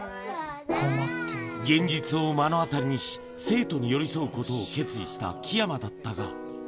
現実を目の当たりにし、生徒に寄り添うことを決意した樹山だったが。